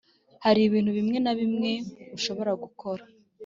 hari ibintu bimwe na bimwe ushobora gukora